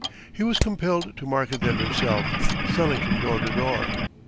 He was compelled to market them himself, selling from door to door.